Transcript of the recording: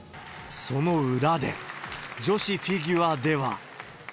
その裏で、女子フィギュアでは。